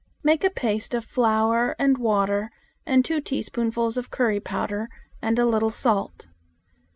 Make a paste of flour and water and two teaspoons of curry powder and a little salt.